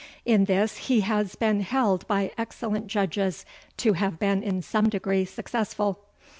In this he has been held by excellent judges to have been in some degree successful.